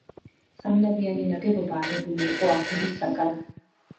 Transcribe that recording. სამნავიანი ნაგებობა აგებული იყო აგურისაგან.